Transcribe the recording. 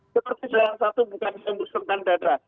seperti salah satu bukan mengusurkan dada